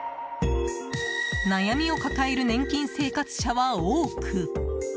悩みを抱える年金生活者は多く。